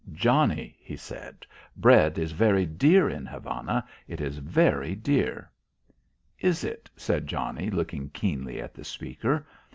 "Johnnie," he said, "bread is very dear in Havana. It is very dear." "Is it?" said Johnnie looking keenly at the speaker.